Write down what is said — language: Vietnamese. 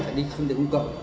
đi sang giao thông công cộng